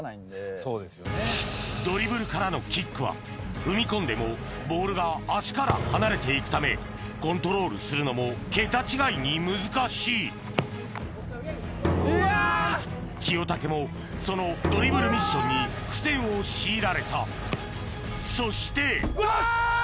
ドリブルからのキックは踏み込んでもボールが足から離れて行くためコントロールするのも桁違いに難しい清武もそのドリブルミッションに苦戦を強いられたそしてよし！